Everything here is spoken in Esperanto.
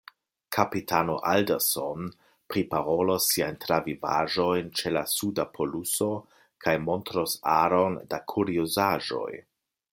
Kapitano Alderson priparolos siajn travivaĵojn ĉe la suda poluso kaj montros aron da kuriozaĵoj.